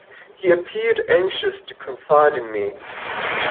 He appeared anxious to confide in me.